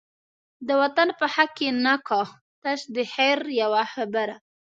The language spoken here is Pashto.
د وطن په حق کی نه کا، تش د خیر یوه خبره